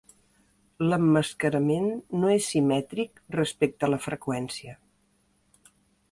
L'emmascarament no és simètric respecte la freqüència.